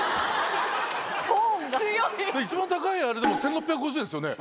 一番高いあれでも１６５０円ですよね。